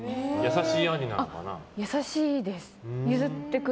優しいです。